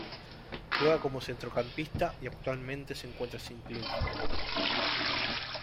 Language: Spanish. Juega como centrocampista y actualmente se encuentra sin club.